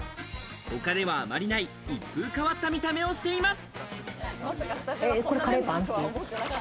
他ではあまりない、一風変わった見た目をしています。